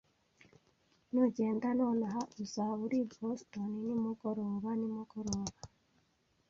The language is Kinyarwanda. Nugenda nonaha, uzaba uri i Boston nimugoroba nimugoroba.